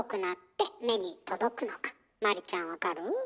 麻里ちゃん分かる？